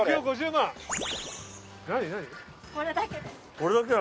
これだけで。